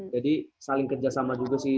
jadi saling kerja sama juga sih